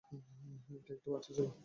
এটা একটা বাচ্চা ছিল।